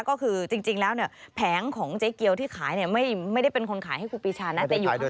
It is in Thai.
ก็คือจริงแล้วแผงของเจ๊เกียวที่ขายไม่ได้เป็นคนขายให้ครูปรีชาน่ะ